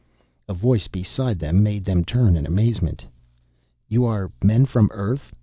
A voice beside them made them turn in amazement. "You are men from Earth?"